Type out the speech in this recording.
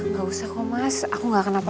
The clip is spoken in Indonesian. gak usah kok mas aku gak akan apa